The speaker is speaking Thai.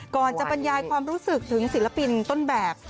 ก่อนจะบรรยายความรู้สึกถึงศิลปินต้นแบบ